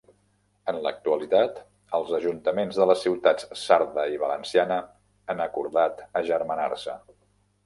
En l'actualitat, els ajuntaments de les ciutats sarda i valenciana han acordat agermanar-se.